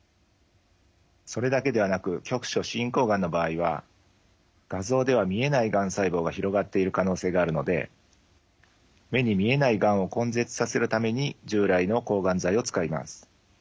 それだけではなく局所進行がんの場合は画像では見えないがん細胞が広がっている可能性があるので目に見えないがんを根絶させるために従来の抗がん剤を使います。